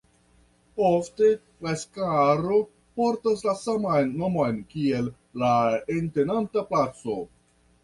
Ofte la skvaro portas la saman nomon kiel la entenanta placo.